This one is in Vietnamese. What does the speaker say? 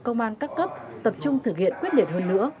công an các cấp tập trung thực hiện quyết liệt hơn nữa